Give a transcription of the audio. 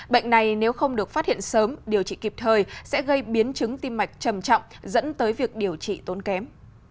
bệnh này nếu không được phát hiện sớm điều trị kịp thời sẽ gây biến chứng tim mạch trầm trọng dẫn tới việc điều trị tốn kém